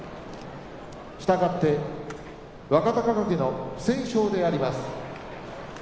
したがって若隆景の不戦勝であります。